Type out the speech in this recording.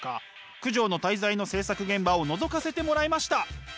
「九条の大罪」の制作現場をのぞかせてもらいました！